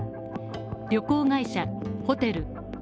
旅行会社ホテルＡ